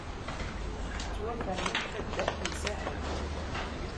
Tettwafren-d taddart n Saḥel.